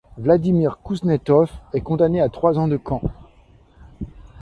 Vladimir Kouznetsov est condamné à trois ans de camp.